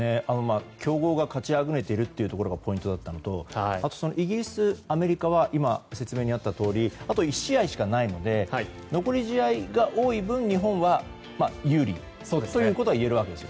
強豪が勝ちあぐねているというところがポイントだったのとあとイギリス、アメリカは今、説明にあったとおりあと１試合しかないので残り試合が多い分